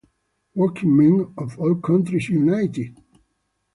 Working Men of All Countries, Unite!